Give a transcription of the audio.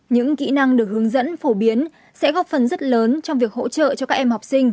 những kỹ năng được hướng dẫn phổ biến sẽ góp phần rất lớn trong việc hỗ trợ cho các em học sinh